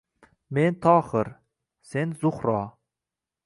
Men — Tohir, sen — Zuhro